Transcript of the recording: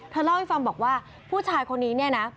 เธอเล่าให้ฟังบอกว่าผู้ชายคนนี้นะ